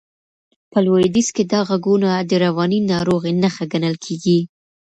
په لوېدیځ کې دا غږونه د رواني ناروغۍ نښه ګڼل کېږي.